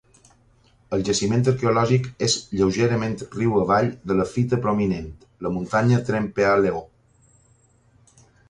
El jaciment arqueològic és lleugerament riu avall de la fita prominent, la muntanya Trempealeau.